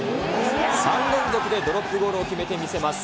３連続でドロップゴールを決めて見せます。